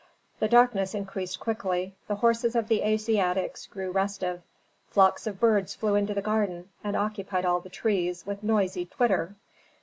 The darkness increased quickly. The horses of the Asiatics grew restive, flocks of birds flew into the garden, and occupied all the trees, with noisy twitter.